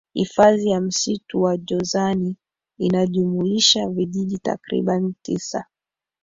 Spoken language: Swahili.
Hifadhi ya msitu wa jozani inajumuisha vijiji takribani tisa